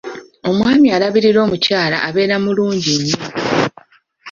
Omwami alabirira omukyala abeera mulungi nnyo.